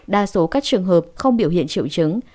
đa số các trường hợp không biểu hiện triệu chứng